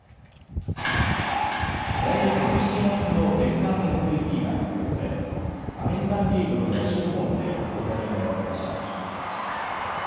大リーグの７月の月間ＭＶＰが発表されアメリカンリーグの野手部門で大谷が選ばれました。